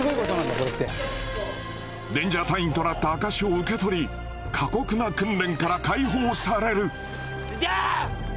これってレンジャー隊員となった証しを受け取り過酷な訓練から解放されるレンジャー！